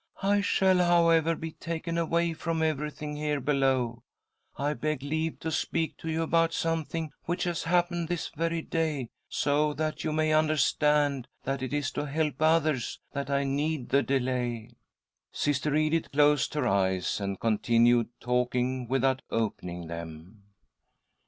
I shall, however, be taken away from everything .here betaw. I beg leave to speak to you about something which has happened this very day, so that you may under stand that it is to help others that I need the delay." Sister Edith closed her eyes, and continued talking without opening them.